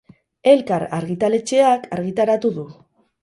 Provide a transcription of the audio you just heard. Elkar argitaletxeak argitaratu du.